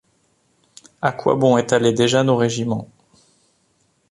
A quoi bon étaler déjà nos régiments ?